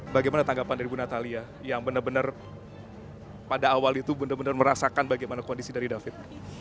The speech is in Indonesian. bagaimana tanggapan dari bu natalia yang benar benar pada awal itu benar benar merasakan bagaimana kondisi dari david